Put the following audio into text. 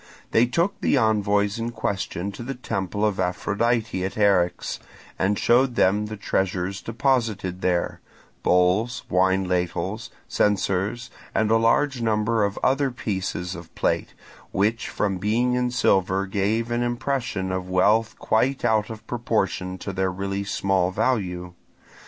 They took the envoys in question to the temple of Aphrodite at Eryx and showed them the treasures deposited there: bowls, wine ladles, censers, and a large number of other pieces of plate, which from being in silver gave an impression of wealth quite out of proportion to their really small value.